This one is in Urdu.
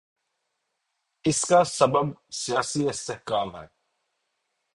اس کا سبب سیاسی استحکام ہے۔